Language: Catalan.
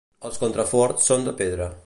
Els contraforts són de pedra.